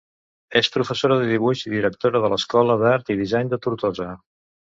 És professora de dibuix i directora de l'Escola d'Art i Disseny de Tortosa.